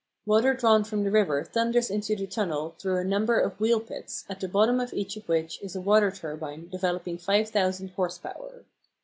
Water drawn from the river thunders into the tunnel through a number of wheel pits, at the bottom of each of which is a water turbine developing 5000 horse power.